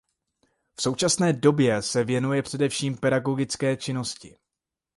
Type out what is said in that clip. V současné době se věnuje především pedagogické činnosti.